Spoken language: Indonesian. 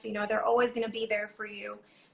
mereka selalu akan ada untuk kalian